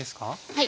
はい。